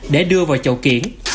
để đưa vào chậu kiện